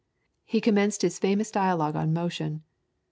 He commenced his famous dialogue on Motion.